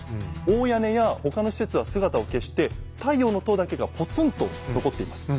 大屋根や他の施設は姿を消して「太陽の塔」だけがポツンと残っています。